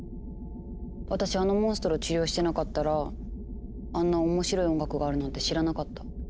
私あのモンストロ治療してなかったらあんな面白い音楽があるなんて知らなかった。